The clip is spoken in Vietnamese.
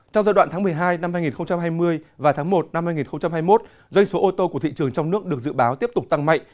trong giai đoạn tháng một mươi hai năm hai nghìn hai mươi và tháng một năm hai nghìn hai mươi một doanh số ô tô của thị trường trong nước được dự báo tiếp tục tăng mạnh